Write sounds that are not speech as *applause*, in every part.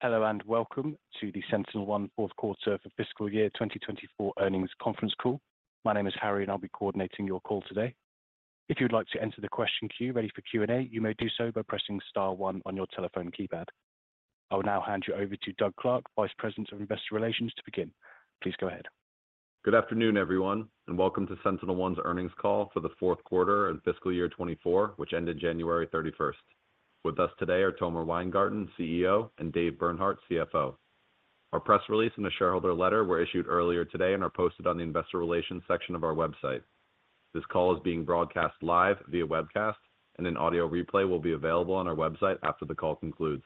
Hello and welcome to the SentinelOne fourth quarter for fiscal year 2024 earnings conference call. My name is Harry, and I'll be coordinating your call today. If you would like to enter the question queue ready for Q&A, you may do so by pressing star one on your telephone keypad. I will now hand you over to Doug Clark, Vice President of Investor Relations, to begin. Please go ahead. Good afternoon, everyone, and welcome to SentinelOne's earnings call for the fourth quarter and fiscal year 2024, which ended January 31. With us today are Tomer Weingarten, CEO, and Dave Bernhardt, CFO. Our press release and a shareholder letter were issued earlier today and are posted on the Investor Relations section of our website. This call is being broadcast live via webcast, and an audio replay will be available on our website after the call concludes.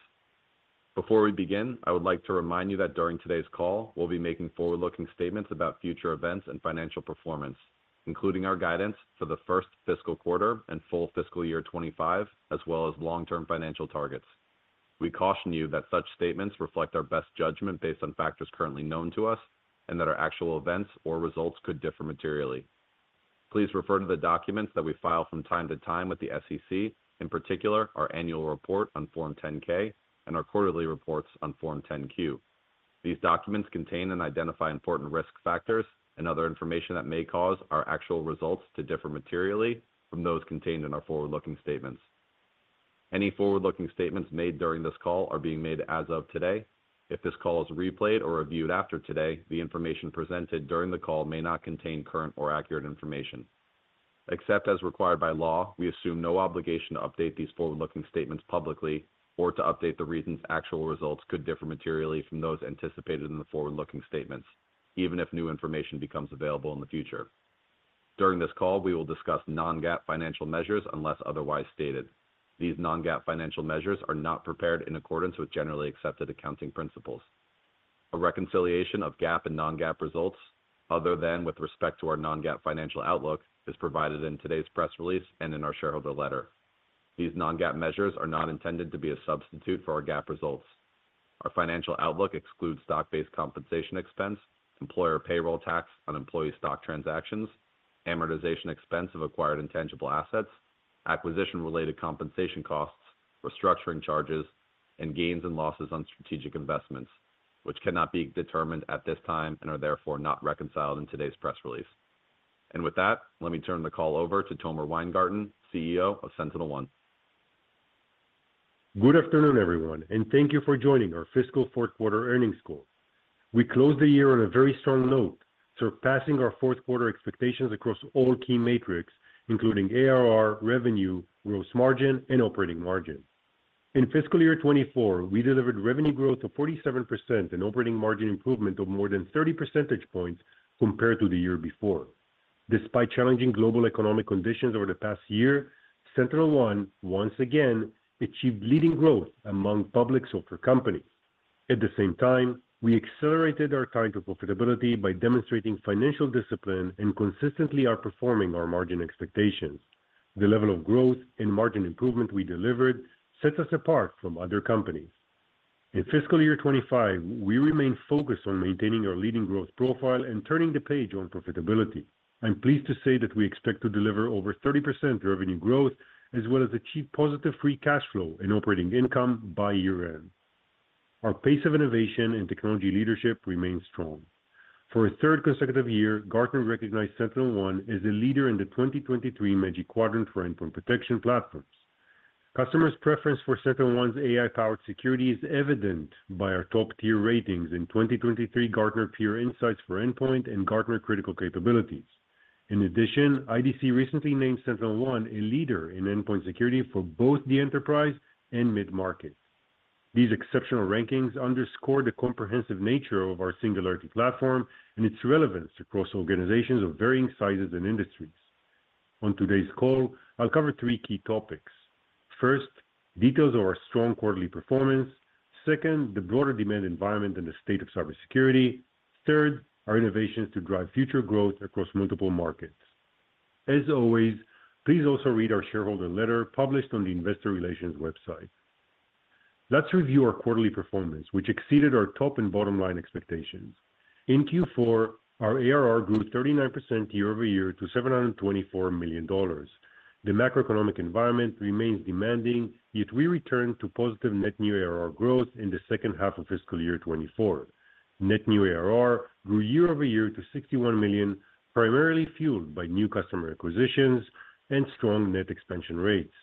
Before we begin, I would like to remind you that during today's call we'll be making forward-looking statements about future events and financial performance, including our guidance for the first fiscal quarter and full fiscal year 2025, as well as long-term financial targets. We caution you that such statements reflect our best judgment based on factors currently known to us and that our actual events or results could differ materially. Please refer to the documents that we file from time to time with the SEC, in particular our annual report on Form 10-K and our quarterly reports on Form 10-Q. These documents contain and identify important risk factors and other information that may cause our actual results to differ materially from those contained in our forward-looking statements. Any forward-looking statements made during this call are being made as of today. If this call is replayed or reviewed after today, the information presented during the call may not contain current or accurate information. Except as required by law, we assume no obligation to update these forward-looking statements publicly or to update the reasons actual results could differ materially from those anticipated in the forward-looking statements, even if new information becomes available in the future. During this call, we will discuss non-GAAP financial measures unless otherwise stated. These non-GAAP financial measures are not prepared in accordance with generally accepted accounting principles. A reconciliation of GAAP and non-GAAP results, other than with respect to our non-GAAP financial outlook, is provided in today's press release and in our shareholder letter. These non-GAAP measures are not intended to be a substitute for our GAAP results. Our financial outlook excludes stock-based compensation expense, employer payroll tax on employee stock transactions, amortization expense of acquired intangible assets, acquisition-related compensation costs, restructuring charges, and gains and losses on strategic investments, which cannot be determined at this time and are therefore not reconciled in today's press release. With that, let me turn the call over to Tomer Weingarten, CEO of SentinelOne. Good afternoon, everyone, and thank you for joining our fiscal fourth quarter earnings call. We closed the year on a very strong note, surpassing our fourth quarter expectations across all key metrics, including ARR, revenue, gross margin, and operating margin. In fiscal year 2024, we delivered revenue growth of 47% and operating margin improvement of more than 30 percentage points compared to the year before. Despite challenging global economic conditions over the past year, SentinelOne once again achieved leading growth among public cybersecurity companies. At the same time, we accelerated our time to profitability by demonstrating financial discipline and consistently outperforming our margin expectations. The level of growth and margin improvement we delivered sets us apart from other companies. In fiscal year 2025, we remain focused on maintaining our leading growth profile and turning the page on profitability. I'm pleased to say that we expect to deliver over 30% revenue growth as well as achieve positive free cash flow and operating income by year-end. Our pace of innovation and technology leadership remains strong. For a third consecutive year, Gartner recognized SentinelOne as a leader in the 2023 Magic Quadrant for endpoint protection platforms. Customers' preference for SentinelOne's AI-powered security is evident by our top-tier ratings in 2023 Gartner Peer Insights for endpoint and Gartner Critical Capabilities. In addition, IDC recently named SentinelOne a leader in endpoint security for both the enterprise and mid-market. These exceptional rankings underscore the comprehensive nature of our Singularity Platform and its relevance across organizations of varying sizes and industries. On today's call, I'll cover three key topics. First, details of our strong quarterly performance. Second, the broader demand environment and the state of cybersecurity. Third, our innovations to drive future growth across multiple markets. As always, please also read our shareholder letter published on the Investor Relations website. Let's review our quarterly performance, which exceeded our top and bottom-line expectations. In Q4, our ARR grew 39% year-over-year to $724 million. The macroeconomic environment remains demanding, yet we returned to positive net new ARR growth in the second half of fiscal year 2024. Net new ARR grew year-over-year to $61 million, primarily fueled by new customer acquisitions and strong net expansion rates.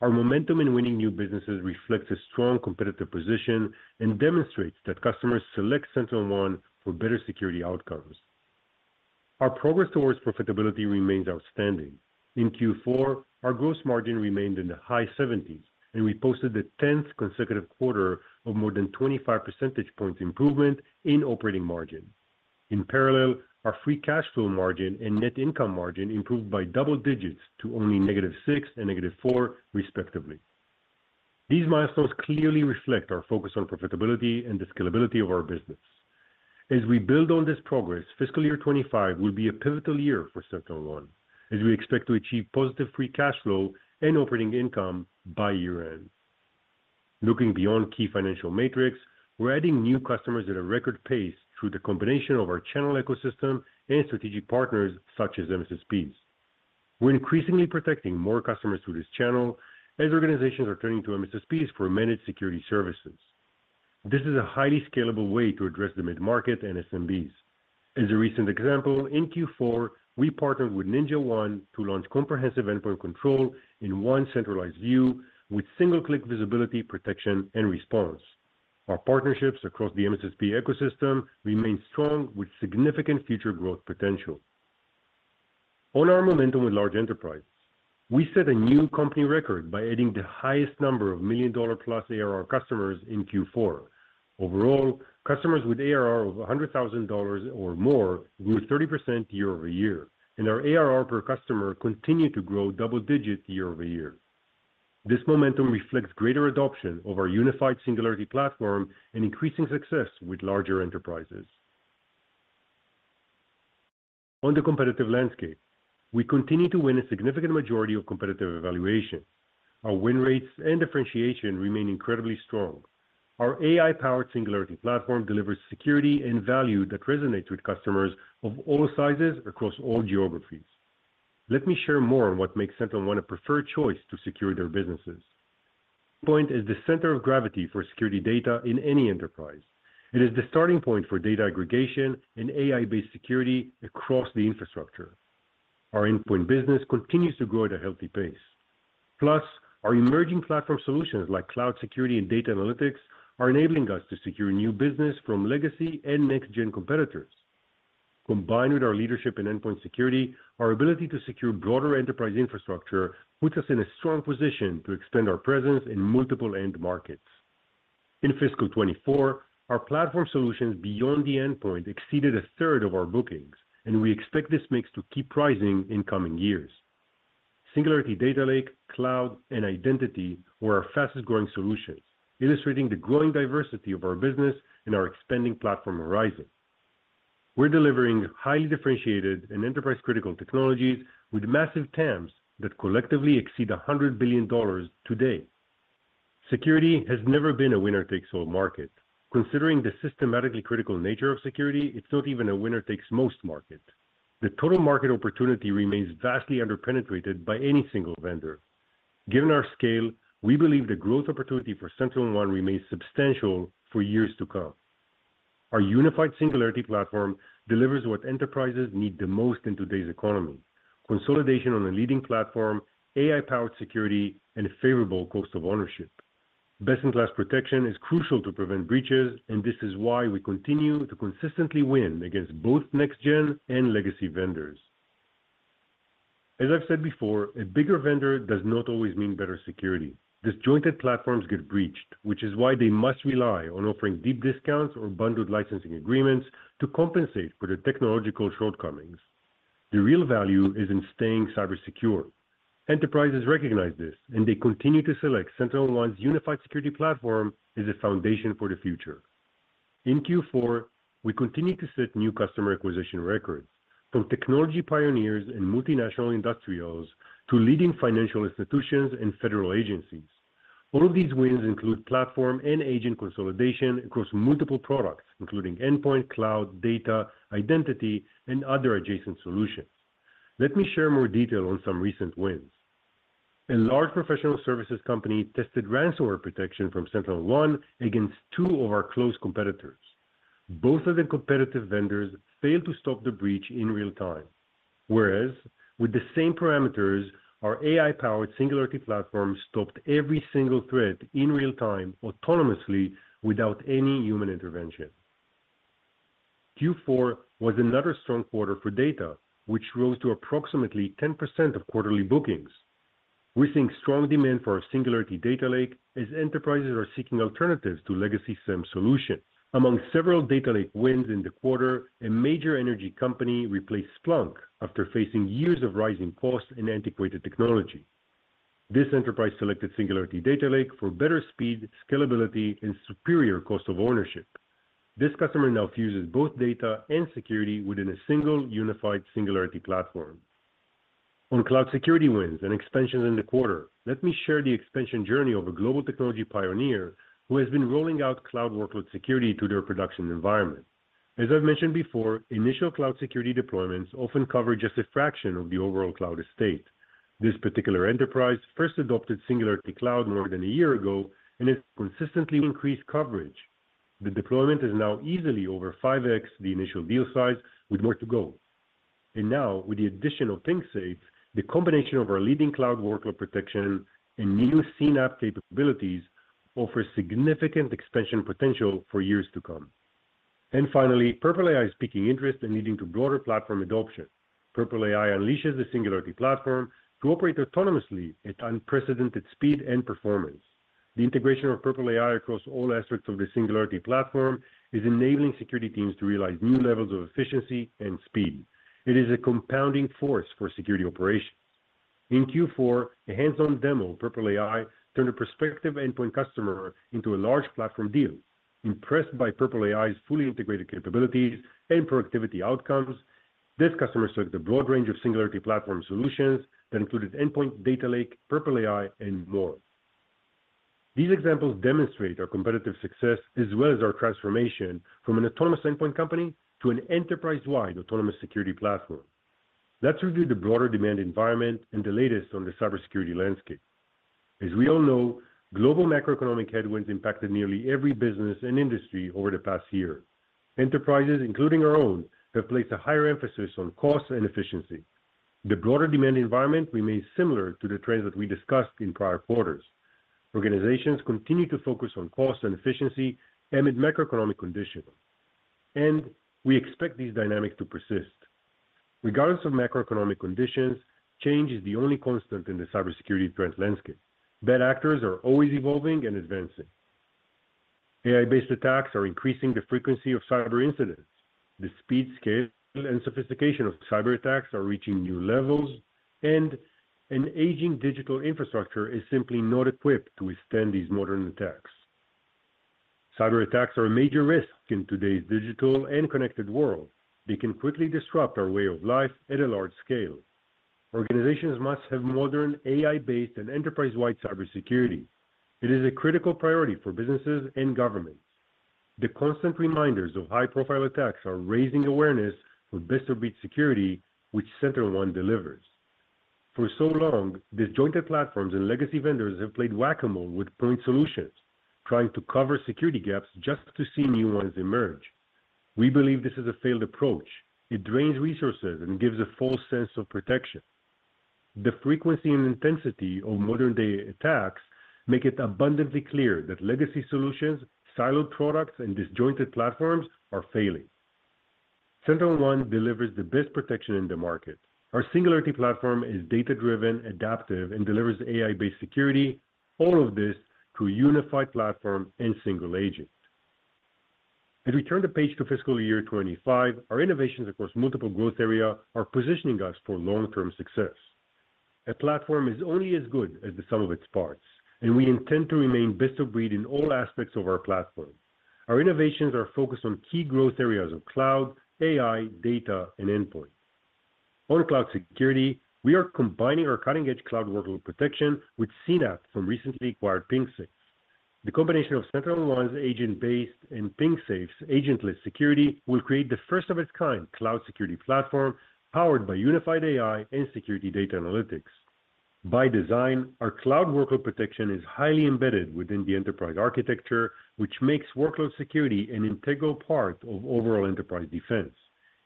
Our momentum in winning new businesses reflects a strong competitive position and demonstrates that customers select SentinelOne for better security outcomes. Our progress towards profitability remains outstanding. In Q4, our gross margin remained in the high 70s, and we posted the tenth consecutive quarter of more than 25 percentage points improvement in operating margin. In parallel, our free cash flow margin and net income margin improved by double digits to only -6% and -4%, respectively. These milestones clearly reflect our focus on profitability and the scalability of our business. As we build on this progress, fiscal year 2025 will be a pivotal year for SentinelOne, as we expect to achieve positive free cash flow and operating income by year-end. Looking beyond key financial metrics, we're adding new customers at a record pace through the combination of our channel ecosystem and strategic partners such as MSSPs. We're increasingly protecting more customers through this channel as organizations are turning to MSSPs for managed security services. This is a highly scalable way to address the mid-market and SMBs. As a recent example, in Q4, we partnered with NinjaOne to launch comprehensive endpoint control in one centralized view with single-click visibility, protection, and response. Our partnerships across the MSSP ecosystem remain strong, with significant future growth potential. On our momentum with large enterprises, we set a new company record by adding the highest number of million-dollar-plus ARR customers in Q4. Overall, customers with ARR of $100,000 or more grew 30% year-over-year, and our ARR per customer continued to grow double-digit year-over-year. This momentum reflects greater adoption of our unified Singularity Platform and increasing success with larger enterprises. On the competitive landscape, we continue to win a significant majority of competitive evaluation. Our win rates and differentiation remain incredibly strong. Our AI-powered Singularity Platform delivers security and value that resonates with customers of all sizes across all geographies. Let me share more on what makes SentinelOne a preferred choice to secure their businesses. Endpoint is the center of gravity for security data in any enterprise. It is the starting point for data aggregation and AI-based security across the infrastructure. Our endpoint business continues to grow at a healthy pace. Plus, our emerging platform solutions like cloud security and data analytics are enabling us to secure new business from legacy and next-gen competitors. Combined with our leadership in endpoint security, our ability to secure broader enterprise infrastructure puts us in a strong position to extend our presence in multiple end markets. In fiscal 2024, our platform solutions beyond the endpoint exceeded a third of our bookings, and we expect this mix to keep rising in coming years. Singularity Data Lake, Cloud, and Identity were our fastest-growing solutions, illustrating the growing diversity of our business and our expanding platform horizon. We're delivering highly differentiated and enterprise-critical technologies with massive TAMs that collectively exceed $100 billion today. Security has never been a winner-takes-all market. Considering the systemically critical nature of security, it's not even a winner-takes-most market. The total market opportunity remains vastly under-penetrated by any single vendor. Given our scale, we believe the growth opportunity for SentinelOne remains substantial for years to come. Our unified Singularity Platform delivers what enterprises need the most in today's economy: consolidation on a leading platform, AI-powered security, and a favorable cost of ownership. Best-in-class protection is crucial to prevent breaches, and this is why we continue to consistently win against both next-gen and legacy vendors. As I've said before, a bigger vendor does not always mean better security. Disjointed platforms get breached, which is why they must rely on offering deep discounts or bundled licensing agreements to compensate for the technological shortcomings. The real value is in staying cybersecure. Enterprises recognize this, and they continue to select SentinelOne's unified security platform as a foundation for the future. In Q4, we continue to set new customer acquisition records, from technology pioneers and multinational industrials to leading financial institutions and federal agencies. All of these wins include platform and agent consolidation across multiple products, including endpoint, cloud, data, identity, and other adjacent solutions. Let me share more detail on some recent wins. A large professional services company tested ransomware protection from SentinelOne against two of our close competitors. Both of the competitive vendors failed to stop the breach in real time. Whereas, with the same parameters, our AI-powered Singularity Platform stopped every single threat in real time autonomously without any human intervention. Q4 was another strong quarter for data, which rose to approximately 10% of quarterly bookings. We're seeing strong demand for our Singularity Data Lake as enterprises are seeking alternatives to legacy SIEM solutions. Among several data lake wins in the quarter, a major energy company replaced Splunk after facing years of rising costs and antiquated technology. This enterprise selected Singularity Data Lake for better speed, scalability, and superior cost of ownership. This customer now fuses both data and security within a single unified Singularity Platform. On cloud security wins and expansions in the quarter, let me share the expansion journey of a global technology pioneer who has been rolling out cloud workload security to their production environment. As I've mentioned before, initial cloud security deployments often cover just a fraction of the overall cloud estate. This particular enterprise first adopted Singularity Cloud more than a year ago and has consistently increased coverage. The deployment is now easily over 5X the initial deal size, with more to go. And now, with the addition of PingSafe, the combination of our leading cloud workload protection and new CNAPP capabilities offers significant expansion potential for years to come. And finally, Purple AI is piquing interest and leading to broader platform adoption. Purple AI unleashes the Singularity Platform to operate autonomously at unprecedented speed and performance. The integration of Purple AI across all aspects of the Singularity Platform is enabling security teams to realize new levels of efficiency and speed. It is a compounding force for security operations. In Q4, a hands-on demo of Purple AI turned a prospective endpoint customer into a large platform deal. Impressed by Purple AI's fully integrated capabilities and productivity outcomes, this customer selected a broad range of Singularity Platform solutions that included endpoint, Data Lake, Purple AI, and more. These examples demonstrate our competitive success as well as our transformation from an autonomous endpoint company to an enterprise-wide autonomous security platform. Let's review the broader demand environment and the latest on the cybersecurity landscape. As we all know, global macroeconomic headwinds impacted nearly every business and industry over the past year. Enterprises, including our own, have placed a higher emphasis on cost and efficiency. The broader demand environment remains similar to the trends that we discussed in prior quarters. Organizations continue to focus on cost and efficiency amid macroeconomic conditions. We expect these dynamics to persist. Regardless of macroeconomic conditions, change is the only constant in the cybersecurity trend landscape. Bad actors are always evolving and advancing. AI-based attacks are increasing the frequency of cyber incidents. The speed, scale, and sophistication of cyber attacks are reaching new levels, and an aging digital infrastructure is simply not equipped to withstand these modern attacks. Cyber attacks are a major risk in today's digital and connected world. They can quickly disrupt our way of life at a large scale. Organizations must have modern AI-based and enterprise-wide cybersecurity. It is a critical priority for businesses and governments. The constant reminders of high-profile attacks are raising awareness for best-of-breed security, which SentinelOne delivers. For so long, disjointed platforms and legacy vendors have played whack-a-mole with point solutions, trying to cover security gaps just to see new ones emerge. We believe this is a failed approach. It drains resources and gives a false sense of protection. The frequency and intensity of modern-day attacks make it abundantly clear that legacy solutions, siloed products, and disjointed platforms are failing. SentinelOne delivers the best protection in the market. Our Singularity Platform is data-driven, adaptive, and delivers AI-based security, all of this through a unified platform and single agent. As we turn the page to fiscal year 2025, our innovations across multiple growth areas are positioning us for long-term success. A platform is only as good as the sum of its parts, and we intend to remain best-of-breed in all aspects of our platform. Our innovations are focused on key growth areas of cloud, AI, data, and endpoint. On cloud security, we are combining our cutting-edge cloud workload protection with CNAPP from recently acquired PingSafe. The combination of SentinelOne's agent-based and PingSafe's agentless security will create the first of its kind cloud security platform powered by unified AI and security data analytics. By design, our cloud workload protection is highly embedded within the enterprise architecture, which makes workload security an integral part of overall enterprise defense.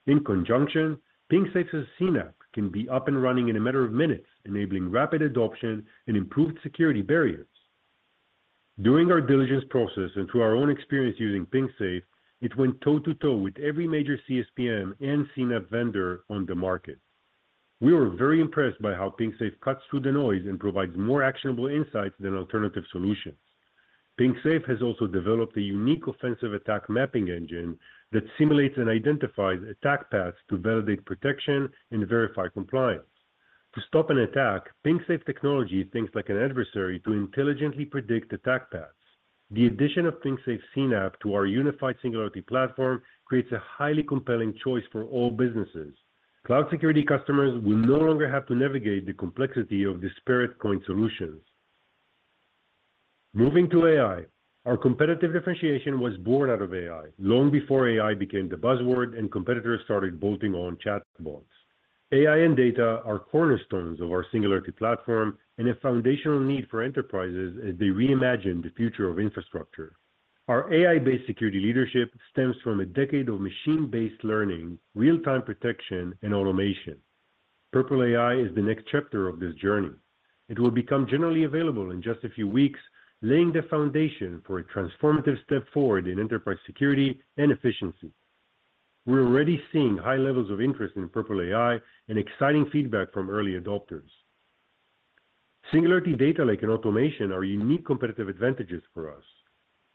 In conjunction, PingSafe's CNAPP can be up and running in a matter of minutes, enabling rapid adoption and improved security barriers. During our diligence process and through our own experience using PingSafe, it went toe-to-toe with every major CSPM and CNAPP vendor on the market. We were very impressed by how PingSafe cuts through the noise and provides more actionable insights than alternative solutions. PingSafe has also developed a unique offensive attack mapping engine that simulates and identifies attack paths to validate protection and verify compliance. To stop an attack, PingSafe technology thinks like an adversary to intelligently predict attack paths. The addition of PingSafe's CNAPP to our unified Singularity Platform creates a highly compelling choice for all businesses. Cloud security customers will no longer have to navigate the complexity of disparate point solutions. Moving to AI, our competitive differentiation was born out of AI, long before AI became the buzzword and competitors started bolting on chatbots. AI and data are cornerstones of our Singularity Platform and a foundational need for enterprises as they reimagine the future of infrastructure. Our AI-based security leadership stems from a decade of machine-based learning, real-time protection, and automation. Purple AI is the next chapter of this journey. It will become generally available in just a few weeks, laying the foundation for a transformative step forward in enterprise security and efficiency. We're already seeing high levels of interest in Purple AI and exciting feedback from early adopters. Singularity Data Lake and automation are unique competitive advantages for us.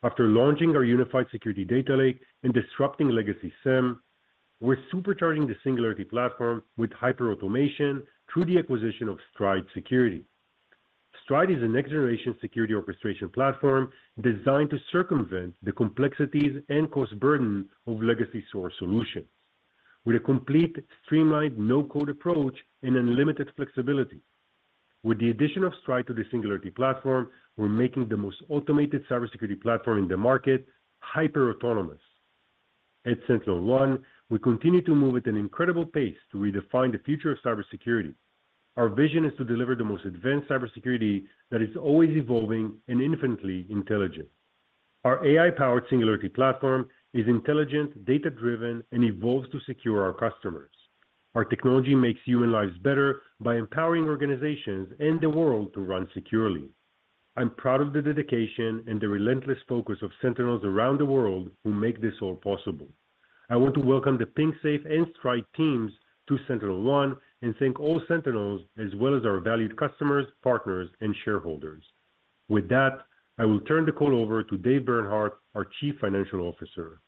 After launching our unified security data lake and disrupting legacy SIEM, we're supercharging the Singularity Platform with hyper-automation through the acquisition of Stride Security. Stride Security is a next-generation security orchestration platform designed to circumvent the complexities and cost burden of legacy SOAR solutions, with a complete, streamlined, no-code approach and unlimited flexibility. With the addition of Stride Security to the Singularity Platform, we're making the most automated cybersecurity platform in the market hyper-autonomous. At SentinelOne, we continue to move at an incredible pace to redefine the future of cybersecurity. Our vision is to deliver the most advanced cybersecurity that is always evolving and infinitely intelligent. Our AI-powered Singularity Platform is intelligent, data-driven, and evolves to secure our customers. Our technology makes human lives better by empowering organizations and the world to run securely. I'm proud of the dedication and the relentless focus of Sentinels around the world who make this all possible. I want to welcome the PingSafe and Stride Security teams to SentinelOne and thank all Sentinels as well as our valued customers, partners, and shareholders. With that, I will turn the call over to Dave Bernhardt, our Chief Financial Officer.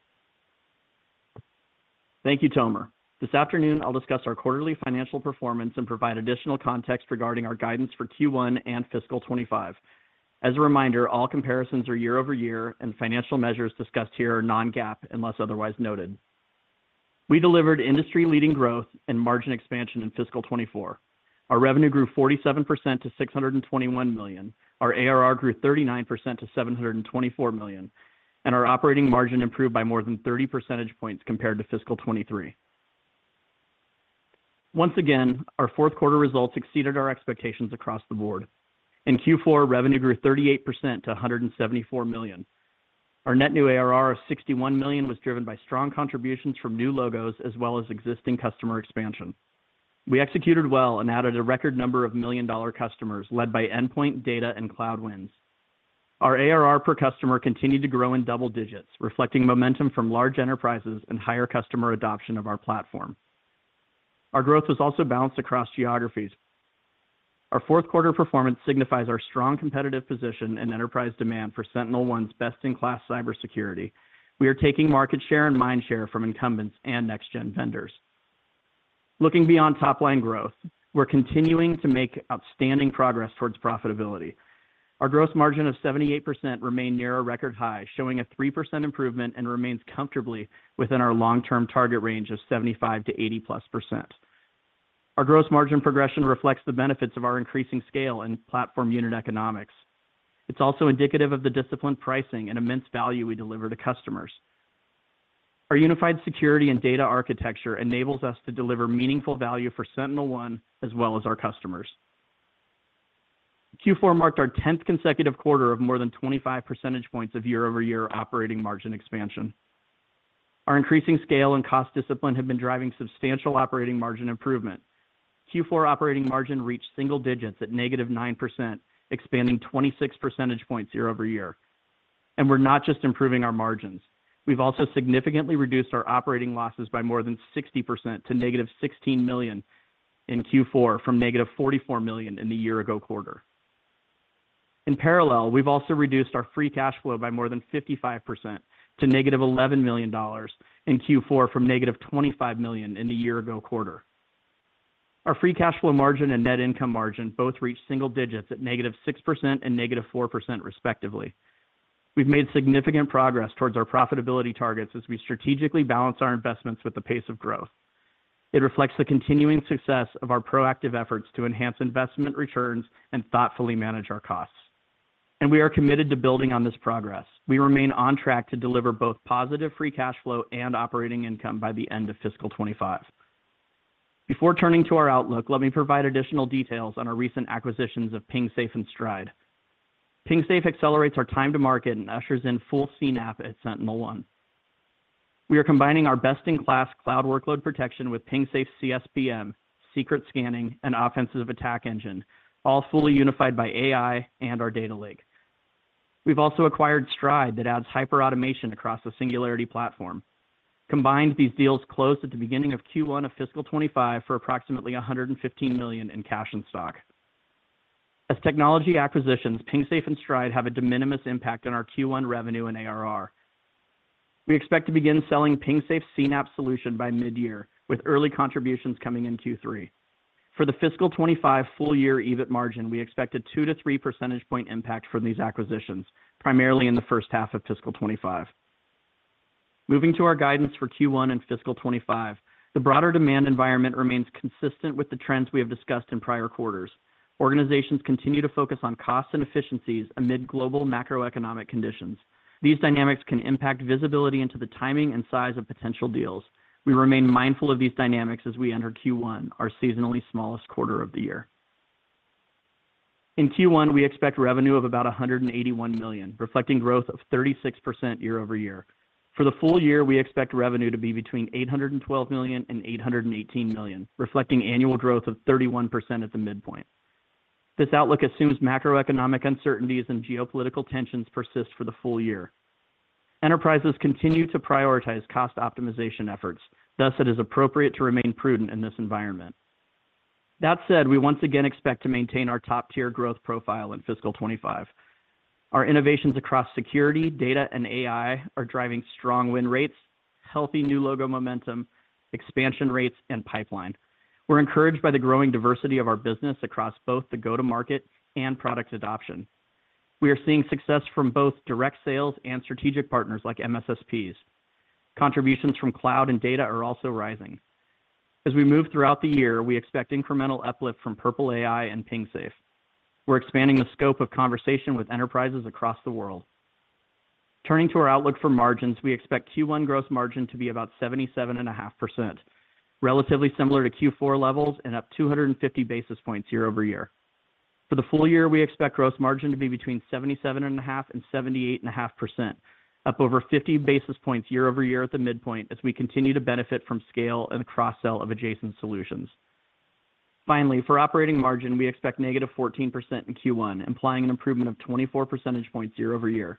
Thank you, Tomer. This afternoon, I'll discuss our quarterly financial performance and provide additional context regarding our guidance for Q1 and fiscal 2025. As a reminder, all comparisons are year-over-year, and financial measures discussed here are non-GAAP unless otherwise noted. We delivered industry-leading growth and margin expansion in fiscal 2024. Our revenue grew 47% to $621 million, our ARR grew 39% to $724 million, and our operating margin improved by more than 30 percentage points compared to fiscal 2023. Once again, our fourth quarter results exceeded our expectations across the board. In Q4, revenue grew 38% to $174 million. Our net new ARR of $61 million was driven by strong contributions from new logos as well as existing customer expansion. We executed well and added a record number of million-dollar customers led by endpoint, data, and cloud wins. Our ARR per customer continued to grow in double digits, reflecting momentum from large enterprises and higher customer adoption of our platform. Our growth was also balanced across geographies. Our fourth quarter performance signifies our strong competitive position and enterprise demand for SentinelOne's best-in-class cybersecurity. We are taking market share and mind share from incumbents and next-gen vendors. Looking beyond top-line growth, we're continuing to make outstanding progress towards profitability. Our gross margin of 78% remained near a record high, showing a 3% improvement, and remains comfortably within our long-term target range of 75%-80%+. Our gross margin progression reflects the benefits of our increasing scale and platform unit economics. It's also indicative of the disciplined pricing and immense value we deliver to customers. Our unified security and data architecture enables us to deliver meaningful value for SentinelOne as well as our customers. Q4 marked our tenth consecutive quarter of more than 25 percentage points of year-over-year operating margin expansion. Our increasing scale and cost discipline have been driving substantial operating margin improvement. Q4 operating margin reached single digits at negative 9%, expanding 26 percentage points year-over-year. We're not just improving our margins. We've also significantly reduced our operating losses by more than 60% to -$16 million in Q4 from -$44 million in the year-ago quarter. In parallel, we've also reduced our free cash flow by more than 55% to negative $11 million in Q4 from negative $25 million in the year-ago quarter. Our free cash flow margin and net income margin both reached single digits at -6% and -4%, respectively. We've made significant progress towards our profitability targets as we strategically balance our investments with the pace of growth. It reflects the continuing success of our proactive efforts to enhance investment returns and thoughtfully manage our costs. We are committed to building on this progress. We remain on track to deliver both positive free cash flow and operating income by the end of fiscal 2025. Before turning to our outlook, let me provide additional details on our recent acquisitions of PingSafe and Stride Security. PingSafe accelerates our time to market and ushers in full CNAPP at SentinelOne. We are combining our best-in-class cloud workload protection with PingSafe's CSPM, secret scanning, and offensive attack engine, all fully unified by AI and our data lake. We've also acquired Stride Security that adds hyperautomation across the Singularity Platform. Combined, these deals closed at the beginning of Q1 of fiscal 2025 for approximately $115 million in cash and stock. As technology acquisitions, PingSafe and Stride Security have a de minimis impact on our Q1 revenue and ARR. We expect to begin selling PingSafe's CNAPP solution by mid-year, with early contributions coming in Q3. For the fiscal 2025 full-year EBIT margin, we expect a 2-3 percentage point impact from these acquisitions, primarily in the first half of fiscal 2025. Moving to our guidance for Q1 and fiscal 2025, the broader demand environment remains consistent with the trends we have discussed in prior quarters. Organizations continue to focus on costs and efficiencies amid global macroeconomic conditions. These dynamics can impact visibility into the timing and size of potential deals. We remain mindful of these dynamics as we enter Q1, our seasonally smallest quarter of the year. In Q1, we expect revenue of about $181 million, reflecting growth of 36% year-over-year. For the full year, we expect revenue to be between $812 million-$818 million, reflecting annual growth of 31% at the midpoint. This outlook assumes macroeconomic uncertainties and geopolitical tensions persist for the full year. Enterprises continue to prioritize cost optimization efforts. Thus, it is appropriate to remain prudent in this environment. That said, we once again expect to maintain our top-tier growth profile in fiscal 2025. Our innovations across security, data, and AI are driving strong win rates, healthy new logo momentum, expansion rates, and pipeline. We're encouraged by the growing diversity of our business across both the go-to-market and product adoption. We are seeing success from both direct sales and strategic partners like MSSPs. Contributions from cloud and data are also rising. As we move throughout the year, we expect incremental uplift from Purple AI and PingSafe. We're expanding the scope of conversation with enterprises across the world. Turning to our outlook for margins, we expect Q1 gross margin to be about 77.5%, relatively similar to Q4 levels and up 250 basis points year-over-year. For the full year, we expect gross margin to be between 77.5% and 78.5%, up over 50 basis points year-over-year at the midpoint as we continue to benefit from scale and the cross-sell of adjacent solutions. Finally, for operating margin, we expect negative 14% in Q1, implying an improvement of 24 percentage points year-over-year.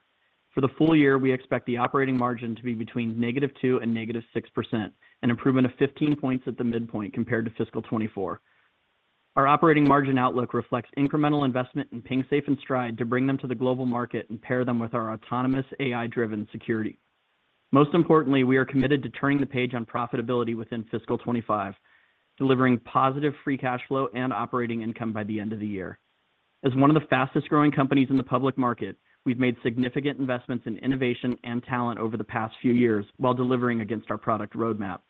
For the full year, we expect the operating margin to be between -2% and -6%, an improvement of 15 points at the midpoint compared to fiscal 2024. Our operating margin outlook reflects incremental investment in PingSafe and Stride Security to bring them to the global market and pair them with our autonomous, AI-driven security. Most importantly, we are committed to turning the page on profitability within fiscal 2025, delivering positive free cash flow and operating income by the end of the year. As one of the fastest-growing companies in the public market, we've made significant investments in innovation and talent over the past few years while delivering against our product roadmap.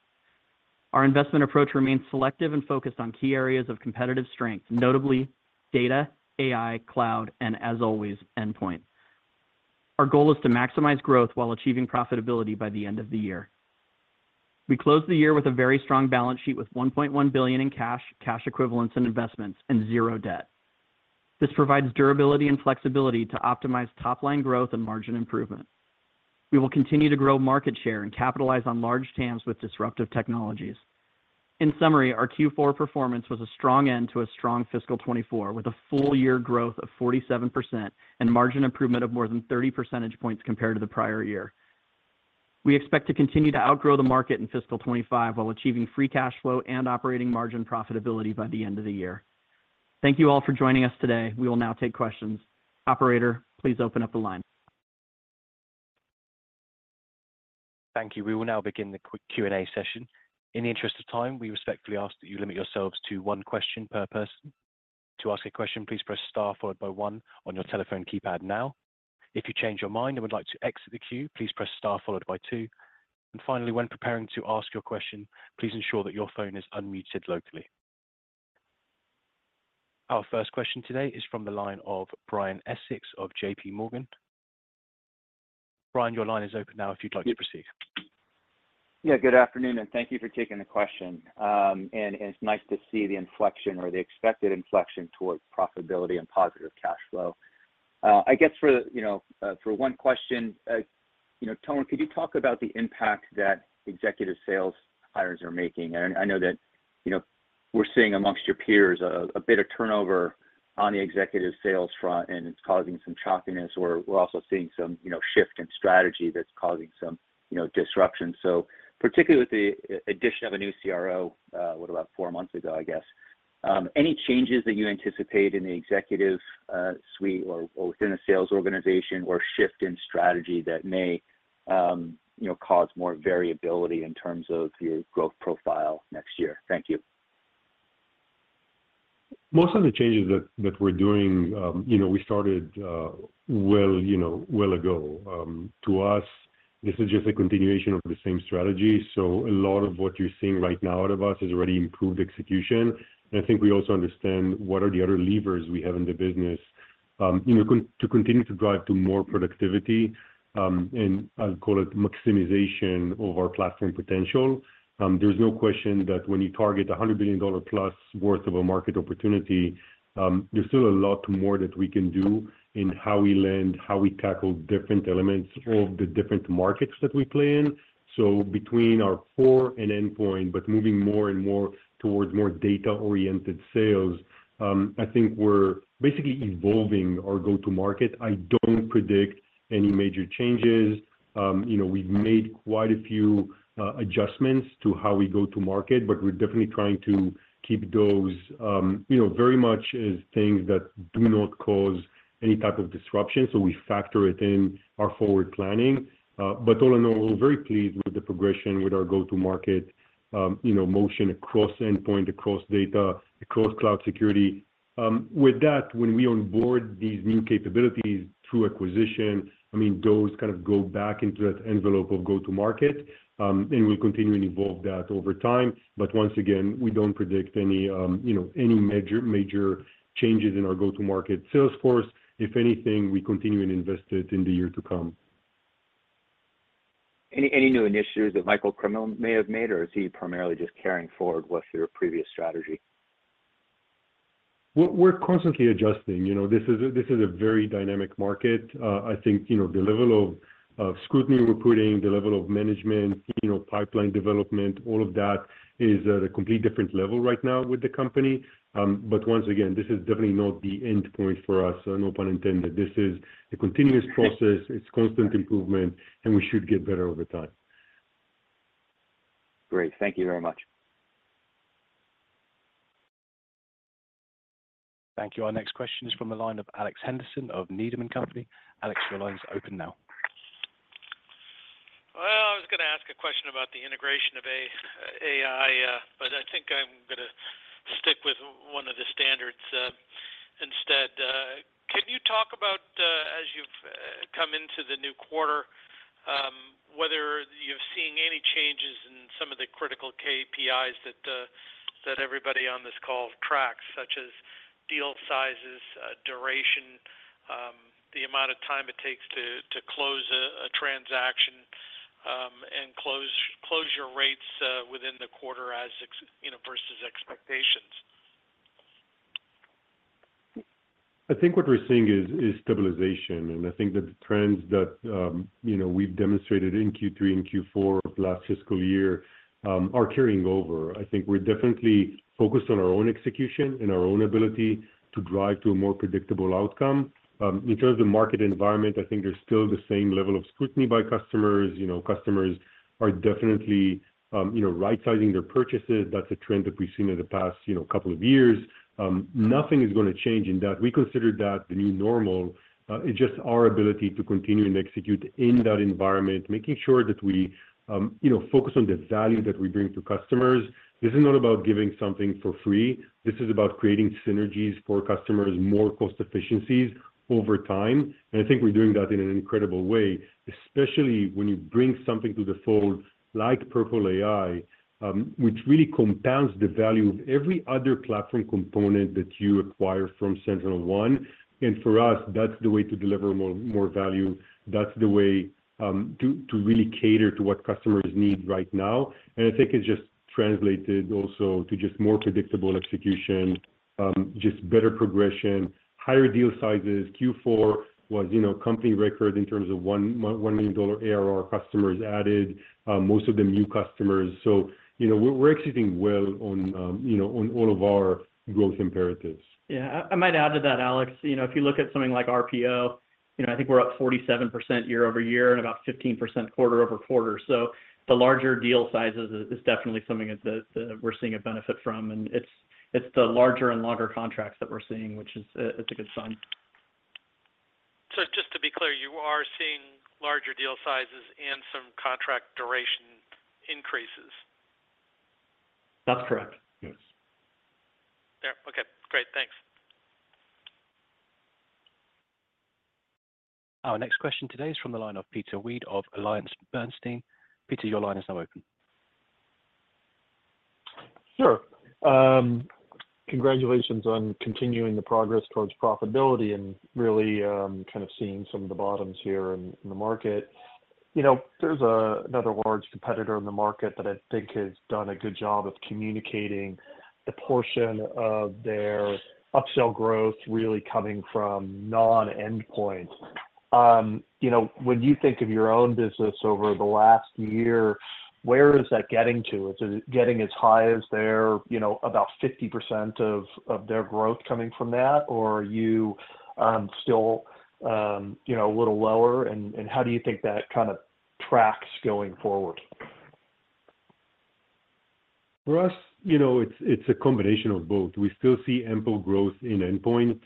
Our investment approach remains selective and focused on key areas of competitive strength, notably data, AI, cloud, and, as always, endpoint. Our goal is to maximize growth while achieving profitability by the end of the year. We close the year with a very strong balance sheet with $1.1 billion in cash, cash equivalents in investments, and zero debt. This provides durability and flexibility to optimize top-line growth and margin improvement. We will continue to grow market share and capitalize on large TAMs with disruptive technologies. In summary, our Q4 performance was a strong end to a strong fiscal 2024 with a full-year growth of 47% and margin improvement of more than 30 percentage points compared to the prior year. We expect to continue to outgrow the market in fiscal 2025 while achieving free cash flow and operating margin profitability by the end of the year. Thank you all for joining us today. We will now take questions. Operator, please open up the line. Thank you. We will now begin the quick Q&A session. In the interest of time, we respectfully ask that you limit yourselves to one question per person. To ask a question, please press star followed by one on your telephone keypad now. If you change your mind and would like to exit the queue, please press star followed by two. And finally, when preparing to ask your question, please ensure that your phone is unmuted locally. Our first question today is from the line of Brian Essex of JPMorgan. Brian, your line is open now if you'd like to proceed. Yeah, good afternoon. And thank you for taking the question. And it's nice to see the inflection or the expected inflection towards profitability and positive cash flow. I guess for one question, Tomer, could you talk about the impact that executive sales hires are making? I know that we're seeing amongst your peers a bit of turnover on the executive sales front, and it's causing some choppiness. We're also seeing some shift in strategy that's causing some disruption. So particularly with the addition of a new CRO, what, about four months ago, I guess, any changes that you anticipate in the executive suite or within a sales organization or shift in strategy that may cause more variability in terms of your growth profile next year? Thank you. Most of the changes that we're doing, we started a while ago. To us, this is just a continuation of the same strategy. So a lot of what you're seeing right now out of us is already improved execution. And I think we also understand what are the other levers we have in the business to continue to drive to more productivity. I'll call it maximization of our platform potential. There's no question that when you target $100 billion+ worth of a market opportunity, there's still a lot more that we can do in how we land, how we tackle different elements of the different markets that we play in. So between our core and endpoint, but moving more and more towards more data-oriented sales, I think we're basically evolving our go-to-market. I don't predict any major changes. We've made quite a few adjustments to how we go to market, but we're definitely trying to keep those very much as things that do not cause any type of disruption. So we factor it in our forward planning. But all in all, we're very pleased with the progression with our go-to-market motion across endpoint, across data, across cloud security. With that, when we onboard these new capabilities through acquisition, I mean, those kind of go back into that envelope of go-to-market. And we'll continue and evolve that over time. But once again, we don't predict any major changes in our go-to-market sales force. If anything, we continue and invest it in the year to come. Any new initiatives that Michael Keenan may have made, or is he primarily just carrying forward what's your previous strategy? We're constantly adjusting. This is a very dynamic market. I think the level of scrutiny we're putting, the level of management, pipeline development, all of that is at a completely different level right now with the company. But once again, this is definitely not the endpoint for us, no pun intended. This is a continuous process. It's constant improvement, and we should get better over time. Great. Thank you very much. Thank you. Our next question is from the line of Alex Henderson of Needham & Company. Alex, your line's open now. Well, I was going to ask a question about the integration of AI, but I think I'm going to stick with one of the standards instead. Can you talk about, as you've come into the new quarter, whether you're seeing any changes in some of the critical KPIs that everybody on this call tracks, such as deal sizes, duration, the amount of time it takes to close a transaction, and close your rates within the quarter versus expectations? I think what we're seeing is stabilization. I think that the trends that we've demonstrated in Q3 and Q4 of last fiscal year are carrying over. I think we're definitely focused on our own execution and our own ability to drive to a more predictable outcome. In terms of the market environment, I think there's still the same level of scrutiny by customers. Customers are definitely right-sizing their purchases. That's a trend that we've seen in the past couple of years. Nothing is going to change in that. We consider that the new normal. It's just our ability to continue and execute in that environment, making sure that we focus on the value that we bring to customers. This is not about giving something for free. This is about creating synergies for customers, more cost efficiencies over time. And I think we're doing that in an incredible way, especially when you bring something to the fold like Purple AI, which really compounds the value of every other platform component that you acquire from SentinelOne. And for us, that's the way to deliver more value. That's the way to really cater to what customers need right now. I think it's just translated also to just more predictable execution, just better progression, higher deal sizes. Q4 was company record in terms of $1 million ARR customers added, most of them new customers. So we're executing well on all of our growth imperatives. Yeah. I might add to that, Alex. If you look at something like RPO, I think we're up 47% year-over-year and about 15% quarter-over-quarter. So the larger deal sizes is definitely something that we're seeing a benefit from. And it's the larger and longer contracts that we're seeing, which is a good sign. So just to be clear, you are seeing larger deal sizes and some contract duration increases. That's correct. Yes. Okay. Great. Thanks. Our next question today is from the line of Peter Weed of AllianceBernstein. Peter, your line is now open. Sure. Congratulations on continuing the progress towards profitability and really kind of seeing some of the bottoms here in the market. There's another large competitor in the market that I think has done a good job of communicating a portion of their upsell growth really coming from non-endpoint. When you think of your own business over the last year, where is that getting to? Is it getting as high as they're about 50% of their growth coming from that, or are you still a little lower? And how do you think that kind of tracks going forward? For us, it's a combination of both. We still see ample growth in endpoint,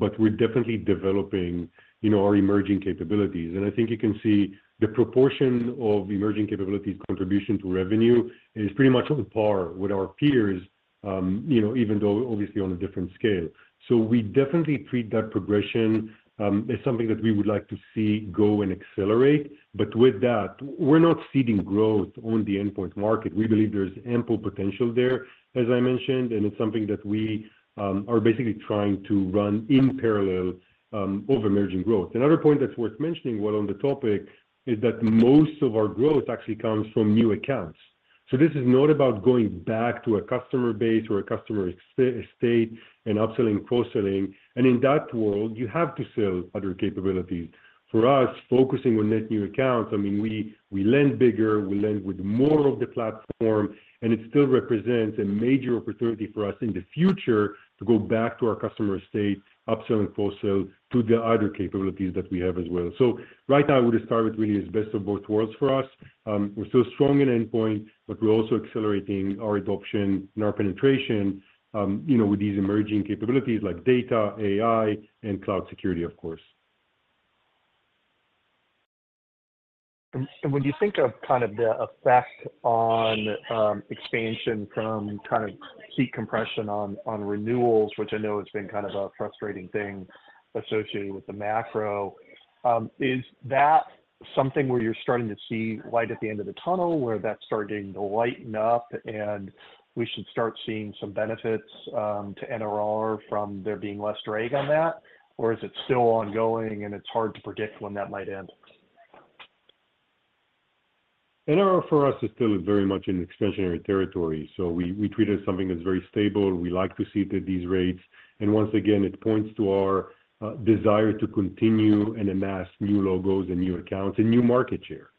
but we're definitely developing our emerging capabilities. And I think you can see the proportion of emerging capabilities contribution to revenue is pretty much on par with our peers, even though obviously on a different scale. So we definitely treat that progression as something that we would like to see go and accelerate. But with that, we're not ceding growth on the endpoint market. We believe there's ample potential there, as I mentioned. And it's something that we are basically trying to run in parallel to emerging growth. Another point that's worth mentioning while on the topic is that most of our growth actually comes from new accounts. So this is not about going back to a customer base or a customer estate and upselling and cross-selling. And in that world, you have to sell other capabilities. For us, focusing on net new accounts, I mean, we land bigger. We land with more of the platform. It still represents a major opportunity for us in the future to go back to our customer estate, upsell and cross-sell to the other capabilities that we have as well. So right now, I would start with really as best of both worlds for us. We're still strong in endpoint, but we're also accelerating our adoption and our penetration with these emerging capabilities like data, AI, and cloud security, of course. When you think of kind of the effect on expansion from kind of seat compression on renewals, which I know has been kind of a frustrating thing associated with the macro, is that something where you're starting to see light at the end of the tunnel, where that's starting to lighten up, and we should start seeing some benefits to NRR from there being less drag on that? Or is it still ongoing, and it's hard to predict when that might end? NRR for us is still very much in expansionary territory. So we treat it as something that's very stable. We like to see these rates. And once again, it points to our desire to continue and amass new logos and new accounts and new market share.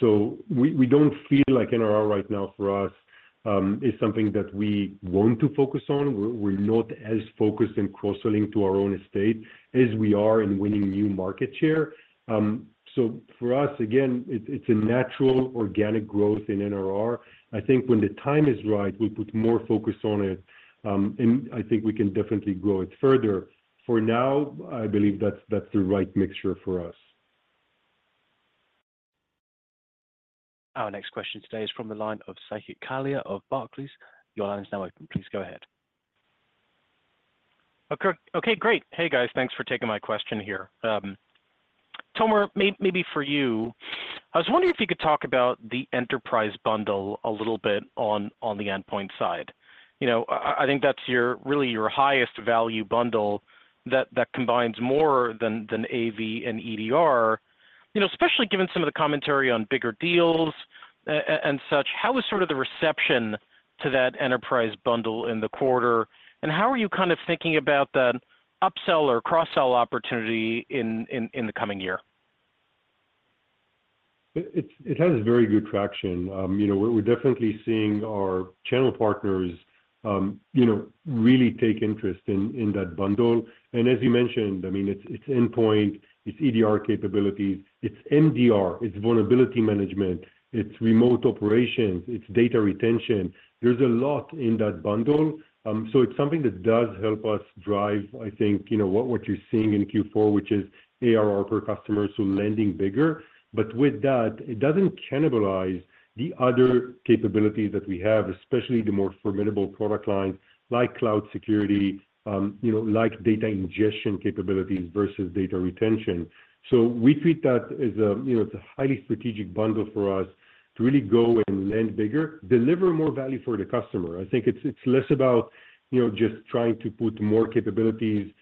So we don't feel like NRR right now for us is something that we want to focus on. We're not as focused in cross-selling to our own estate as we are in winning new market share. So for us, again, it's a natural organic growth in NRR. I think when the time is right, we'll put more focus on it. And I think we can definitely grow it further. For now, I believe that's the right mixture for us. Our next question today is from the line of Saket Kalia of Barclays. Your line is now open. Please go ahead. Okay. Great. Hey, guys. Thanks for taking my question here. Tomer, maybe for you, I was wondering if you could talk about the enterprise bundle a little bit on the endpoint side. I think that's really your highest value bundle that combines more than AV and EDR. Especially given some of the commentary on bigger deals and such, how is sort of the reception to that enterprise bundle in the quarter? And how are you kind of thinking about that upsell or cross-sell opportunity in the coming year? It has very good traction. We're definitely seeing our channel partners really take interest in that bundle. And as you mentioned, I mean, it's endpoint. It's EDR capabilities. It's MDR. It's vulnerability management. It's remote operations. It's data retention. There's a lot in that bundle. So it's something that does help us drive, I think, what you're seeing in Q4, which is ARR per customer, so landing bigger. But with that, it doesn't cannibalize the other capabilities that we have, especially the more formidable product lines like Cloud Security, like data ingestion capabilities versus data retention. So we treat that as it's a highly strategic bundle for us to really go and land bigger, deliver more value for the customer. I think it's less about just trying to put more capabilities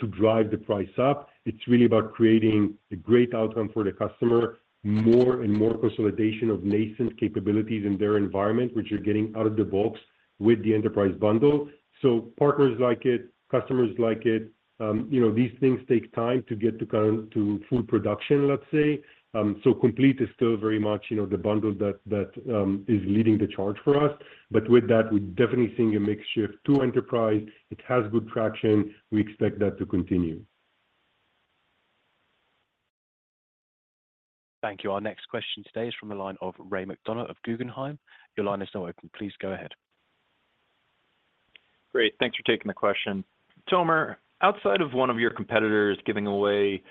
to drive the price up. It's really about creating a great outcome for the customer, more and more consolidation of nascent capabilities in their environment, which you're getting out of the box with the Enterprise Bundle. So partners like it, customers like it, these things take time to get to full production, let's say. So complete is still very much the bundle that is leading the charge for us. But with that, we're definitely seeing a mix shift to enterprise. It has good traction. We expect that to continue. Thank you. Our next question today is from the line of Ray McDonough of Guggenheim. Your line is now open. Please go ahead. Great. Thanks for taking the question. Tomer, outside of one of your competitors giving away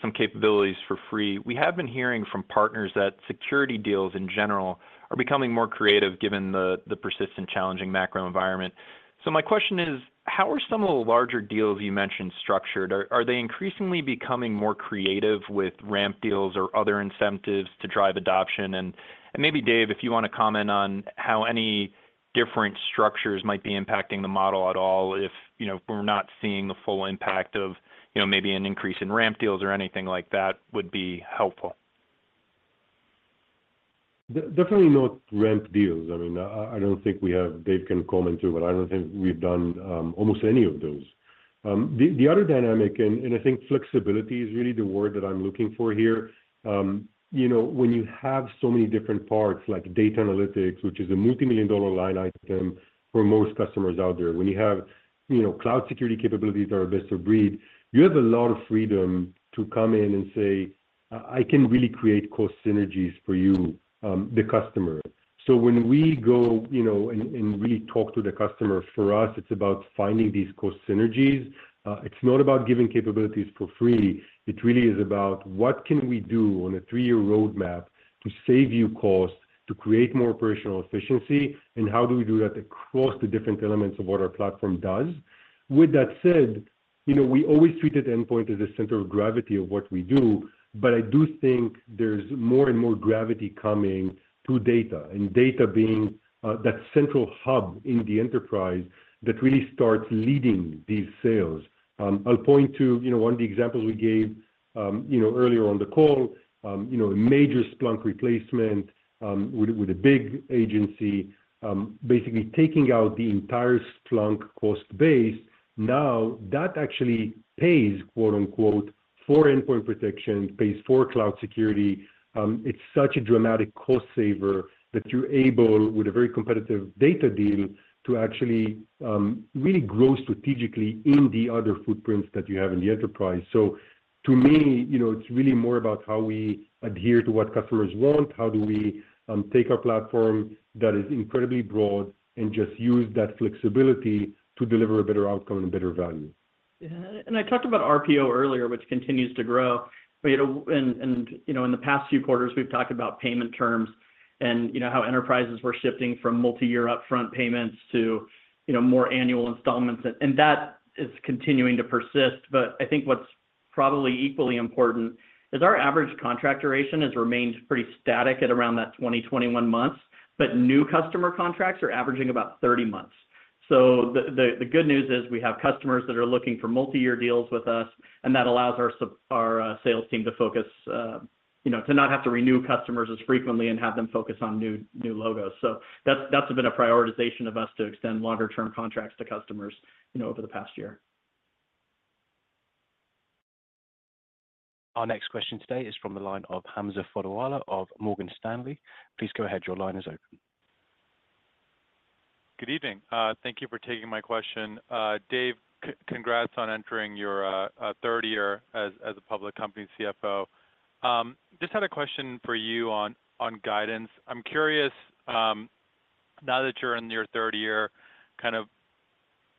some capabilities for free, we have been hearing from partners that security deals in general are becoming more creative given the persistent, challenging macro environment. So my question is, how are some of the larger deals you mentioned structured? Are they increasingly becoming more creative with ramp deals or other incentives to drive adoption? And maybe, Dave, if you want to comment on how any different structures might be impacting the model at all if we're not seeing the full impact of maybe an increase in ramp deals or anything like that would be helpful. Definitely not ramp deals. I mean, I don't think we have. Dave can comment too, but I don't think we've done almost any of those. The other dynamic, and I think flexibility is really the word that I'm looking for here, when you have so many different parts like data analytics, which is a multimillion-dollar line item for most customers out there, when you have cloud security capabilities that are a best of breed, you have a lot of freedom to come in and say, "I can really create cost synergies for you, the customer." So when we go and really talk to the customer, for us, it's about finding these cost synergies. It's not about giving capabilities for free. It really is about what can we do on a three-year roadmap to save you cost, to create more operational efficiency, and how do we do that across the different elements of what our platform does. With that said, we always treated endpoint as the center of gravity of what we do. But I do think there's more and more gravity coming to data and data being that central hub in the enterprise that really starts leading these sales. I'll point to one of the examples we gave earlier on the call, a major Splunk replacement with a big agency, basically taking out the entire Splunk cost base. Now, that actually pays, quote-unquote, "for endpoint protection," pays for cloud security. It's such a dramatic cost saver that you're able, with a very competitive data deal, to actually really grow strategically in the other footprints that you have in the enterprise. So to me, it's really more about how we adhere to what customers want. How do we take our platform that is incredibly broad and just use that flexibility to deliver a better outcome and better value? Yeah. I talked about RPO earlier, which continues to grow. In the past few quarters, we've talked about payment terms and how enterprises were shifting from multi-year upfront payments to more annual installments. That is continuing to persist. I think what's probably equally important is our average contract duration has remained pretty static at around 20-21 months. New customer contracts are averaging about 30 months. The good news is we have customers that are looking for multi-year deals with us. That allows our sales team to focus to not have to renew customers as frequently and have them focus on new logos. That's been a prioritization of us to extend longer-term contracts to customers over the past year. Our next question today is from the line of Hamza Fodderwala of Morgan Stanley. Please go ahead. Your line is open. Good evening. Thank you for taking my question. Dave, congrats on entering your third year as a public company CFO. Just had a question for you on guidance. I'm curious, now that you're in your third year, kind of